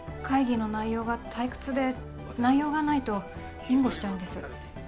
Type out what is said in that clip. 会議の内容が退屈で内容がないとビンゴしちゃうんです。